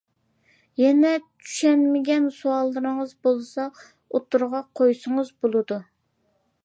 يەنە چۈشەنمىگەن سوئاللىرىڭىز بولسا ئوتتۇرىغا قويسىڭىز بولىدۇ.